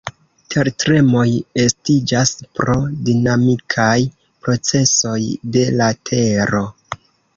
Tertremoj estiĝas pro dinamikaj procesoj de la tero.